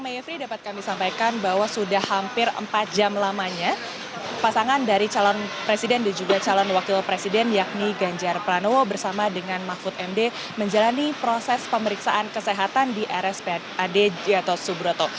mevri dapat kami sampaikan bahwa sudah hampir empat jam lamanya pasangan dari calon presiden dan juga calon wakil presiden yakni ganjar pranowo bersama dengan mahfud md menjalani proses pemeriksaan kesehatan di rspad gatot subroto